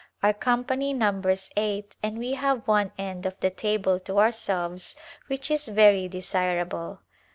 Our company numbers eight and we have one end of the table to ourselves which is very desirable.